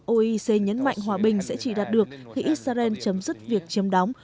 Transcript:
oec nhấn mạnh hòa bình sẽ chỉ đạt được khi israel chấm dứt việc chiếm đóng